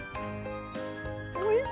おいしい！